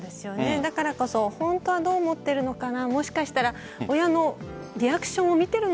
だからこそ本当はどう思ってるのかな。